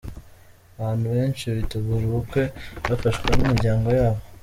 Abantu benshi bitegura ubukwe bafashwa n’imiryango yabo.